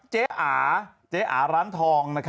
เจอ่าร้านทอง